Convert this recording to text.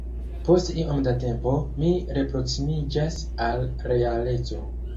Post iom da tempo, mi reproksimiĝas al realeco.